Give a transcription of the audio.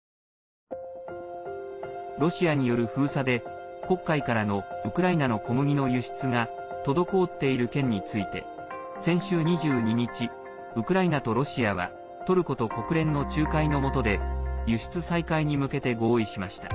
ロシアによる封鎖で黒海からのウクライナの小麦の輸出が滞っている件について先週２２日ウクライナとロシアはトルコと国連の仲介のもとで輸出再開に向けて合意しました。